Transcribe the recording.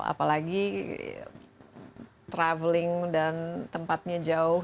apalagi traveling dan tempatnya jauh